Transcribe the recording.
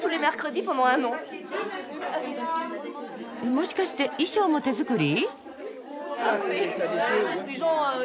もしかして衣装も手作り？